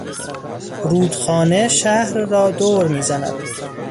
رودخانه شهر را دور میزند.